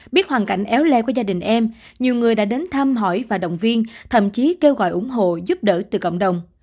biết hoàn cảnh éo le của gia đình em nhiều người đã đến thăm hỏi và động viên thậm chí kêu gọi ủng hộ giúp đỡ từ cộng đồng